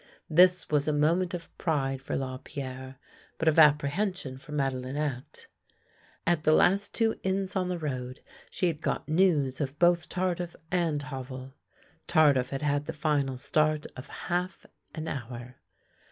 This was a moment of pride for Lapierre, but of apprehension for Madelinette. At the last two inns on the road she had got news of both Tardif and Havel. Tardif had had the final start of half an hour.